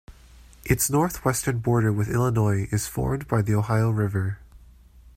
Its northwestern border with Illinois is formed by the Ohio River.